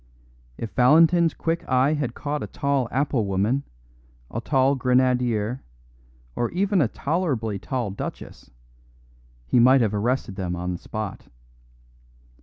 If Valentin's quick eye had caught a tall apple woman, a tall grenadier, or even a tolerably tall duchess, he might have arrested them on the spot.